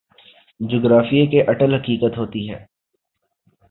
جغرافیے کی اٹل حقیقت ہوتی ہے۔